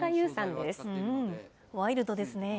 ワイルドですね。